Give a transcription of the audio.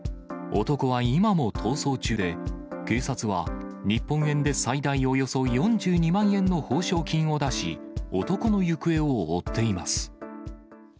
男は今も逃走中で、警察は日本円で最大およそ４２万円の報奨金を出し、男の行方を追っています。